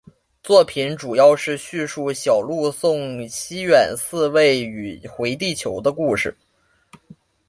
作品主要是在叙述小路送西远寺未宇回地球的故事。